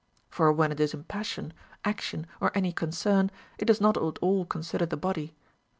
For when it is in passion, action, or any concern, it does not at all consider the body.